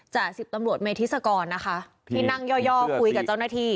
สิบตำรวจเมธิศกรนะคะที่นั่งย่อคุยกับเจ้าหน้าที่